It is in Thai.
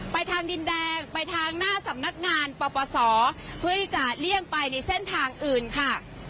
ทางดินแดงไปทางหน้าสำนักงานปปศเพื่อที่จะเลี่ยงไปในเส้นทางอื่นค่ะ